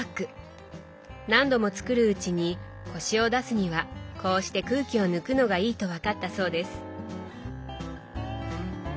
何度も作るうちにコシを出すにはこうして空気を抜くのがいいと分かったそうです。